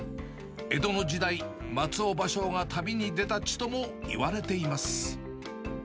江戸の時代、松尾芭蕉が旅に出た地ともいわれています。